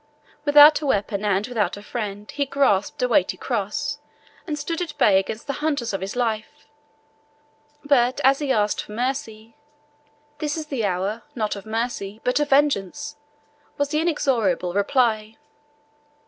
Without a weapon and without a friend, he grasped a weighty cross, and stood at bay against the hunters of his life; but as he asked for mercy, "This is the hour, not of mercy, but of vengeance," was the inexorable reply.